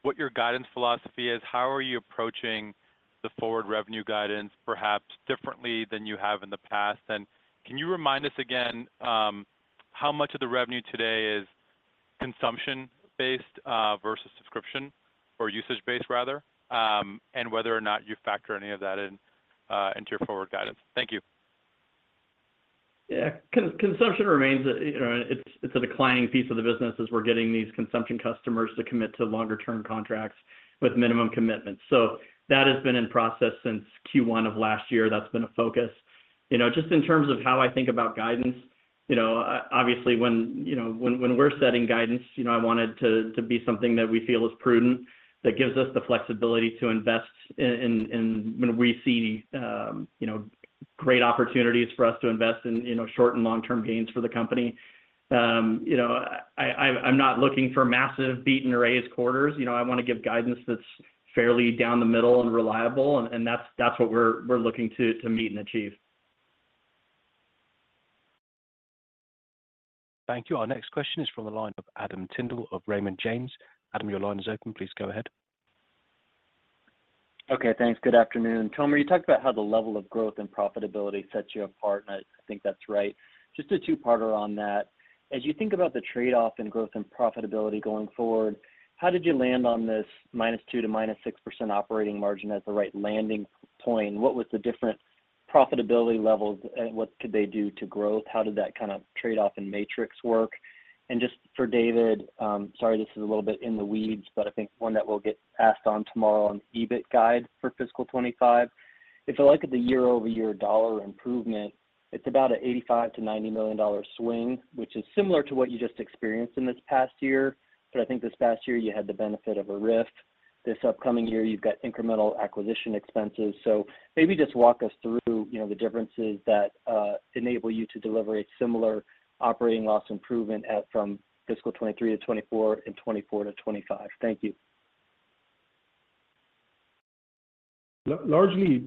what your guidance philosophy is. How are you approaching the forward revenue guidance, perhaps differently than you have in the past? And can you remind us again how much of the revenue today is consumption-based versus subscription or usage-based, rather, and whether or not you factor any of that into your forward guidance? Thank you. Yeah. Consumption remains. It's a declining piece of the business as we're getting these consumption customers to commit to longer-term contracts with minimum commitments. So that has been in process since Q1 of last year. That's been a focus. Just in terms of how I think about guidance, obviously, when we're setting guidance, I want it to be something that we feel is prudent, that gives us the flexibility to invest when we see great opportunities for us to invest in short and long-term gains for the company. I'm not looking for massive beat-and-raise quarters. I want to give guidance that's fairly down the middle and reliable. And that's what we're looking to meet and achieve. Thank you. Our next question is from the line of Adam Tindle of Raymond James. Adam, your line is open. Please go ahead. Okay. Thanks. Good afternoon. Tomer, you talked about how the level of growth and profitability sets you apart. And I think that's right. Just a two-parter on that. As you think about the trade-off in growth and profitability going forward, how did you land on this -2% to -6% operating margin as the right landing point? What was the different profitability levels? And what could they do to growth? How did that kind of trade-off and matrix work? And just for David, sorry, this is a little bit in the weeds, but I think one that will get asked tomorrow on the EBIT guide for fiscal 2025, if you look at the year-over-year dollar improvement, it's about a $85 million-$90 million swing, which is similar to what you just experienced in this past year. But I think this past year, you had the benefit of a RIF. This upcoming year, you've got incremental acquisition expenses. So maybe just walk us through the differences that enable you to deliver a similar operating loss improvement from fiscal 2023-2024 and 2024-2025. Thank you. Largely,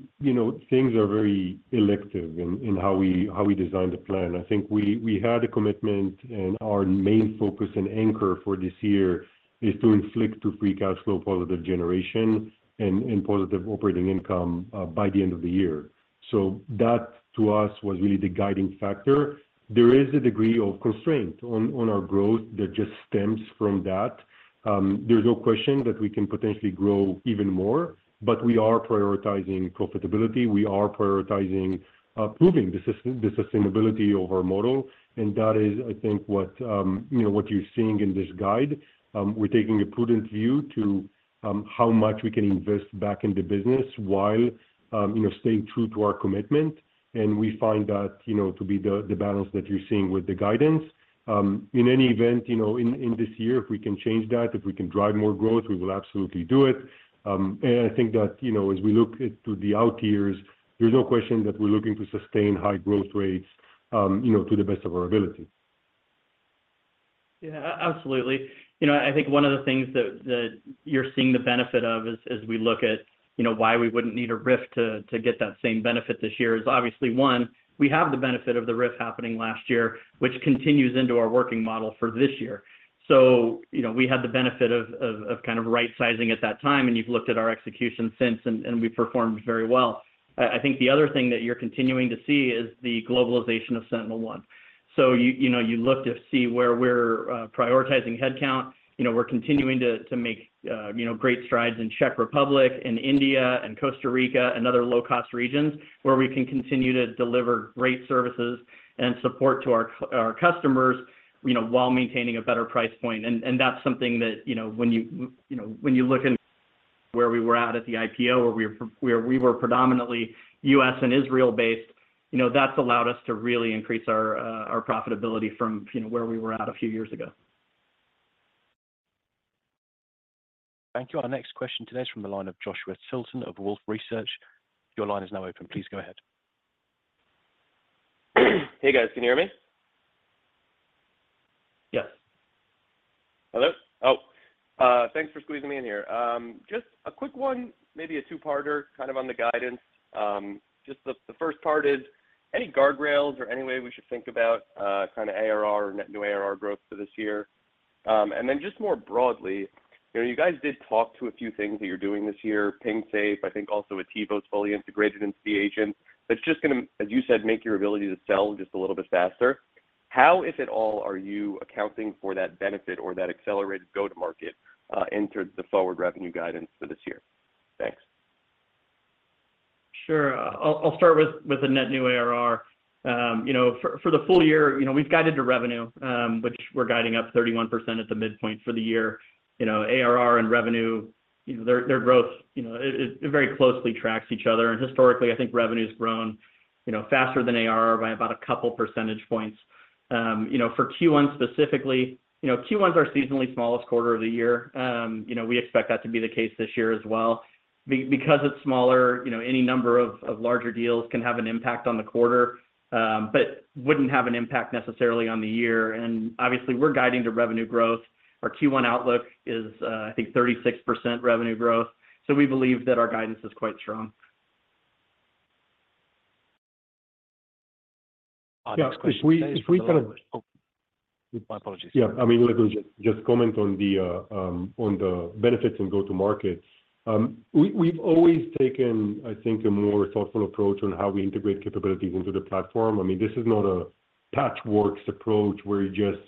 things are very elective in how we design the plan. I think we had a commitment, and our main focus and anchor for this year is to achieve free cash flow positive and generate positive operating income by the end of the year. So that, to us, was really the guiding factor. There is a degree of constraint on our growth that just stems from that. There's no question that we can potentially grow even more. But we are prioritizing profitability. We are prioritizing proving the sustainability of our model. And that is, I think, what you're seeing in this guide. We're taking a prudent view to how much we can invest back in the business while staying true to our commitment. And we find that to be the balance that you're seeing with the guidance. In any event, in this year, if we can change that, if we can drive more growth, we will absolutely do it. And I think that as we look to the out-years, there's no question that we're looking to sustain high growth rates to the best of our ability. Yeah. Absolutely. I think one of the things that you're seeing the benefit of as we look at why we wouldn't need a RIF to get that same benefit this year is obviously, one, we have the benefit of the RIF happening last year, which continues into our working model for this year. So we had the benefit of kind of right-sizing at that time. You've looked at our execution since, and we've performed very well. I think the other thing that you're continuing to see is the globalization of SentinelOne. You look to see where we're prioritizing headcount. We're continuing to make great strides in Czech Republic and India and Costa Rica and other low-cost regions where we can continue to deliver great services and support to our customers while maintaining a better price point. That's something that when you look at where we were at the IPO, where we were predominantly U.S. and Israel-based, that's allowed us to really increase our profitability from where we were at a few years ago. Thank you. Our next question today is from the line of Joshua Tilton of Wolfe Research. Your line is now open. Please go ahead. Hey, guys. Can you hear me? Yes. Hello? Oh, thanks for squeezing me in here. Just a quick one, maybe a two-parter, kind of on the guidance. Just the first part is any guardrails or any way we should think about kind of ARR or net new ARR growth for this year? And then just more broadly, you guys did talk to a few things that you're doing this year, PingSafe, I think also Attivo fully integrated into the agent that's just going to, as you said, make your ability to sell just a little bit faster. How, if at all, are you accounting for that benefit or that accelerated go-to-market into the forward revenue guidance for this year? Thanks. Sure. I'll start with the net new ARR. For the full year, we've guided to revenue, which we're guiding up 31% at the midpoint for the year. ARR and revenue, their growth, it very closely tracks each other. Historically, I think revenue has grown faster than ARR by about a couple percentage points. For Q1 specifically, Q1 is our seasonally smallest quarter of the year. We expect that to be the case this year as well. Because it's smaller, any number of larger deals can have an impact on the quarter but wouldn't have an impact necessarily on the year. Obviously, we're guiding to revenue growth. Our Q1 outlook is, I think, 36% revenue growth. So we believe that our guidance is quite strong. *crosstalk* Yeah. If we kind of my apologies. Yeah. I mean, just comment on the benefits and go-to-markets. We've always taken, I think, a more thoughtful approach on how we integrate capabilities into the platform. I mean, this is not a patchwork approach where you just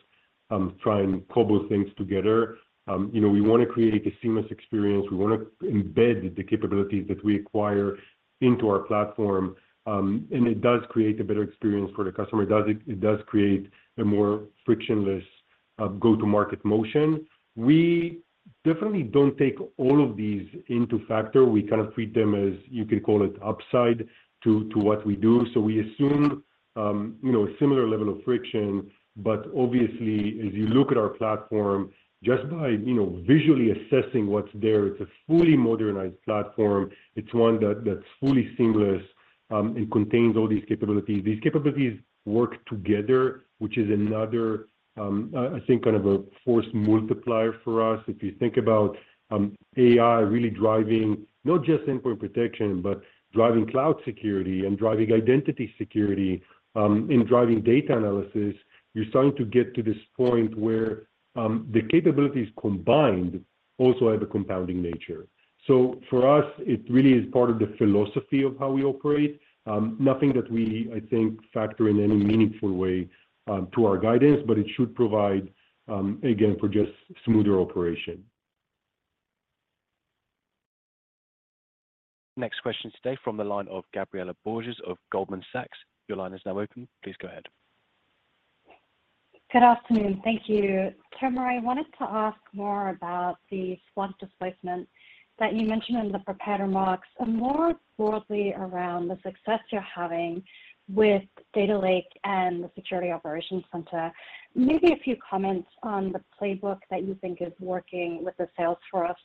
try and cobble things together. We want to create a seamless experience. We want to embed the capabilities that we acquire into our platform. And it does create a better experience for the customer. It does create a more frictionless go-to-market motion. We definitely don't take all of these into account. We kind of treat them as, you can call it, upside to what we do. So we assume a similar level of friction. But obviously, as you look at our platform, just by visually assessing what's there, it's a fully modernized platform. It's one that's fully seamless and contains all these capabilities. These capabilities work together, which is another, I think, kind of a force multiplier for us. If you think about AI really driving not just endpoint protection but driving cloud security and driving identity security and driving data analysis, you're starting to get to this point where the capabilities combined also have a compounding nature. So for us, it really is part of the philosophy of how we operate, nothing that we, I think, factor in any meaningful way to our guidance. But it should provide, again, for just smoother operation. Next question today from the line of Gabriela Borges of Goldman Sachs. Your line is now open. Please go ahead. Good afternoon. Thank you. Tomer, I wanted to ask more about the Splunk displacement that you mentioned in the prepared remarks and more broadly around the success you're having with Data Lake and the Security Operations Center. Maybe a few comments on the playbook that you think is working with the sales force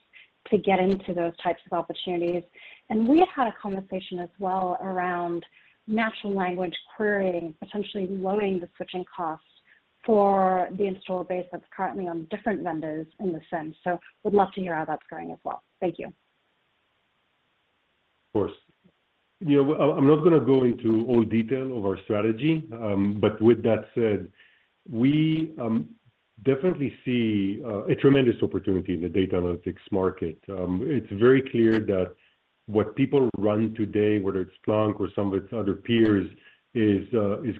to get into those types of opportunities. We had had a conversation as well around natural language querying, potentially lowering the switching costs for the installed base that's currently on different vendors in the sense. So would love to hear how that's going as well. Thank you. Of course. I'm not going to go into all detail of our strategy. But with that said, we definitely see a tremendous opportunity in the data analytics market. It's very clear that what people run today, whether it's Splunk or some of its other peers, is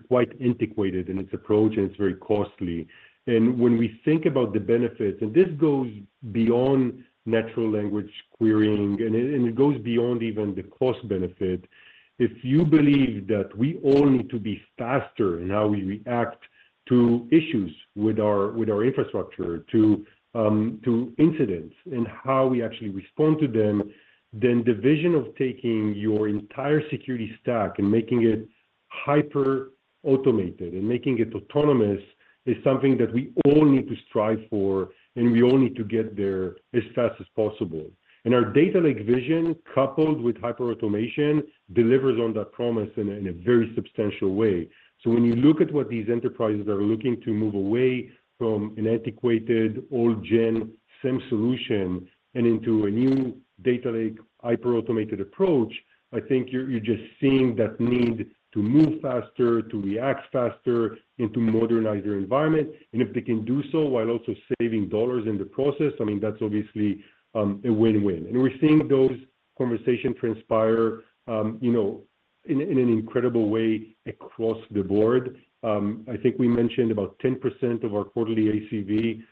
quite antiquated in its approach, and it's very costly. And when we think about the benefits and this goes beyond natural language querying, and it goes beyond even the cost-benefit. If you believe that we all need to be faster in how we react to issues with our infrastructure, to incidents, and how we actually respond to them, then the vision of taking your entire security stack and making it hyper-automated and making it autonomous is something that we all need to strive for, and we all need to get there as fast as possible. And our Data Lake vision, coupled with hyper-automation, delivers on that promise in a very substantial way. So when you look at what these enterprises are looking to move away from an antiquated, old-gen SIEM solution and into a new Data Lake hyper-automated approach, I think you're just seeing that need to move faster, to react faster, and to modernize their environment. And if they can do so while also saving dollars in the process, I mean, that's obviously a win-win. And we're seeing those conversations transpire in an incredible way across the board. I think we mentioned about 10% of our quarterly ACV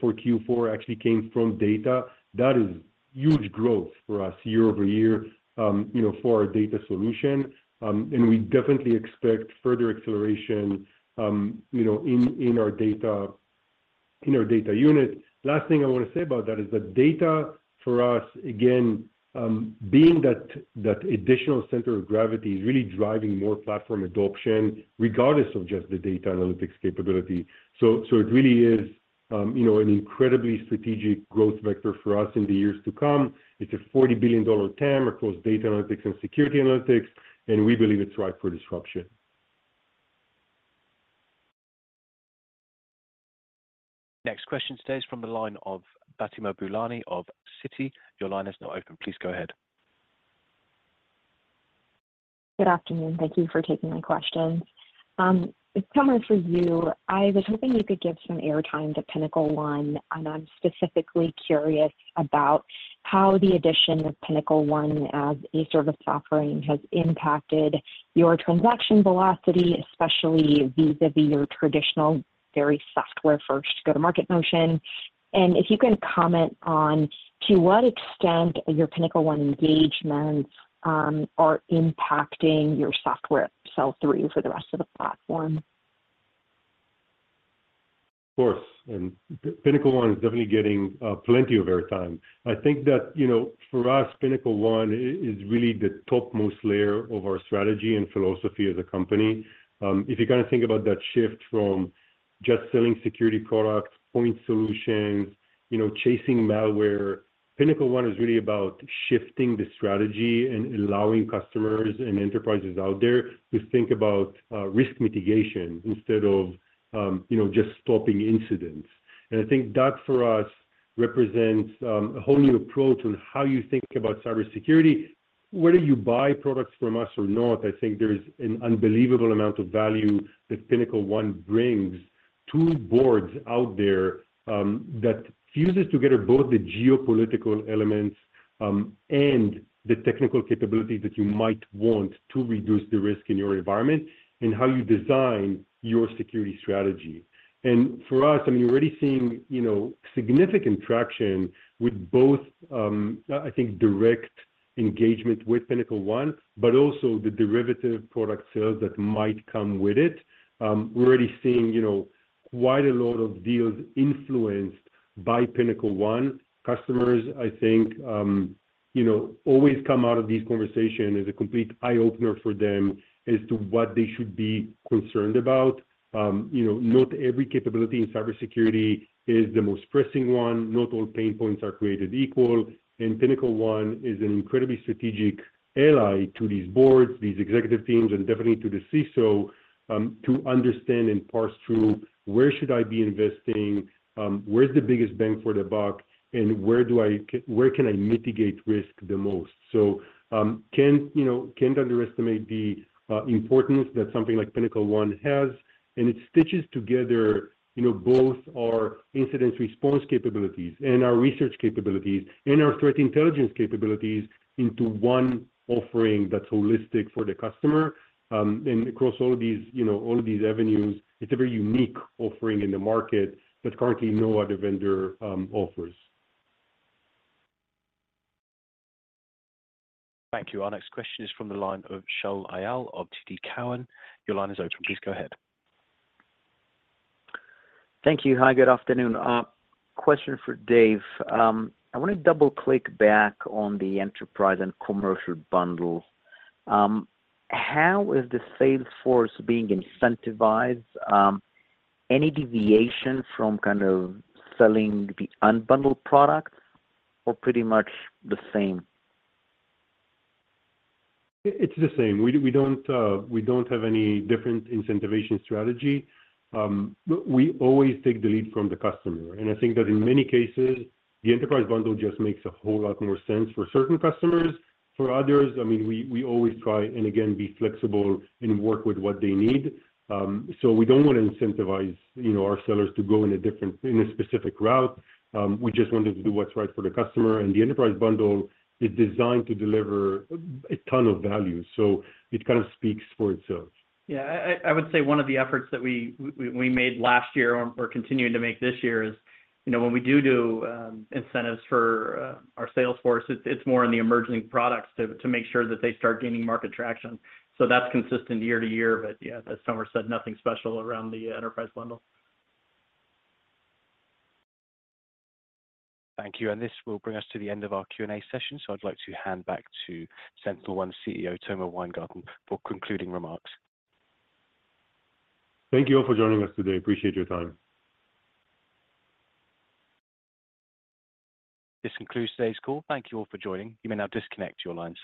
for Q4 actually came from data. That is huge growth for us year-over-year for our data solution. And we definitely expect further acceleration in our data unit. Last thing I want to say about that is that data, for us, again, being that additional center of gravity is really driving more platform adoption regardless of just the data analytics capability. So it really is an incredibly strategic growth vector for us in the years to come. It's a $40 billion TAM across data analytics and security analytics. And we believe it's ripe for disruption. Next question today is from the line of Fatima Boolani of Citi. Your line is now open. Please go ahead. Good afternoon. Thank you for taking my questions. Tomer, for you, I was hoping you could give some airtime to PinnacleOne. I'm specifically curious about how the addition of PinnacleOne as a service offering has impacted your transaction velocity, especially vis-à-vis your traditional, very software-first go-to-market motion. If you can comment on to what extent your PinnacleOne engagements are impacting your software sell-through for the rest of the platform? Of course. PinnacleOne is definitely getting plenty of airtime. I think that for us, PinnacleOne is really the topmost layer of our strategy and philosophy as a company. If you kind of think about that shift from just selling security products, point solutions, chasing malware, PinnacleOne is really about shifting the strategy and allowing customers and enterprises out there to think about risk mitigation instead of just stopping incidents. I think that, for us, represents a whole new approach on how you think about cybersecurity. Whether you buy products from us or not, I think there's an unbelievable amount of value that PinnacleOne brings to boards out there that fuses together both the geopolitical elements and the technical capabilities that you might want to reduce the risk in your environment and how you design your security strategy. And for us, I mean, you're already seeing significant traction with both, I think, direct engagement with PinnacleOne but also the derivative product sales that might come with it. We're already seeing quite a lot of deals influenced by PinnacleOne. Customers, I think, always come out of these conversations as a complete eye-opener for them as to what they should be concerned about. Not every capability in cybersecurity is the most pressing one. Not all pain points are created equal. PinnacleOne is an incredibly strategic ally to these boards, these executive teams, and definitely to the CISO to understand and parse through, "Where should I be investing? Where's the biggest bang for the buck? And where can I mitigate risk the most?" So can't underestimate the importance that something like PinnacleOne has. And it stitches together both our incident response capabilities and our research capabilities and our threat intelligence capabilities into one offering that's holistic for the customer. And across all of these avenues, it's a very unique offering in the market that currently no other vendor offers. Thank you. Our next question is from the line of Shaul Eyal of TD Cowen. Your line is open. Please go ahead. Thank you. Hi. Good afternoon. Question for Dave. I want to double-click back on the enterprise and commercial bundle. How is the sales force being incentivized? Any deviation from kind of selling the unbundled product or pretty much the same? It's the same. We don't have any different incentivization strategy. We always take the lead from the customer. And I think that in many cases, the Enterprise Bundle just makes a whole lot more sense for certain customers. For others, I mean, we always try and, again, be flexible and work with what they need. So we don't want to incentivize our sellers to go in a specific route. We just wanted to do what's right for the customer. And the Enterprise Bundle is designed to deliver a ton of value. So it kind of speaks for itself. Yeah. I would say one of the efforts that we made last year or continuing to make this year is when we do incentives for our sales force, it's more in the emerging products to make sure that they start gaining market traction. So that's consistent year to year. But yeah, as Tomer said, nothing special around the Enterprise Bundle. Thank you. This will bring us to the end of our Q&A session. I'd like to hand back to SentinelOne CEO Tomer Weingarten for concluding remarks. Thank you all for joining us today. Appreciate your time. This concludes today's call. Thank you all for joining. You may now disconnect your lines.